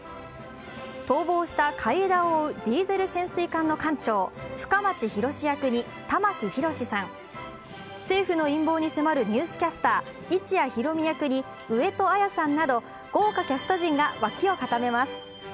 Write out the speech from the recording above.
逃亡した海江田を追うディーゼル潜水艦の艦長深町洋役に玉木宏さん、政府の陰謀に迫るニュースキャスター、市谷裕美役に上戸彩さんなど豪華キャスト陣が脇を固めます。